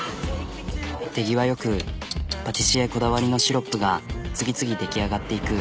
手際よくパティシエこだわりのシロップが次々出来上がっていく。